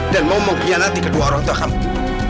dan mau mempianati kedua orang terhampir